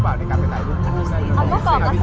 อันต่อก่อก็แสค่ะเพราะว่าชอบน้องมาก